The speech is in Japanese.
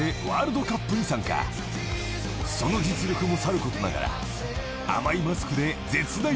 ［その実力もさることながら］